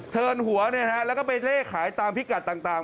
เทินหัวแล้วก็ไปเล่ขายตามพิกัดต่าง